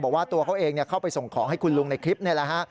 บอกว่าตัวเขาเองเข้าไปส่งของให้คุณลุงในคลิปนี่แหละฮะ